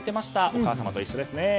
お母様と一緒ですね。